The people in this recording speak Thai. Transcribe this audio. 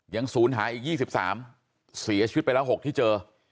ยังศูนย์หายอีกยี่สิบสามเสียชุดไปแล้วหกที่เจอ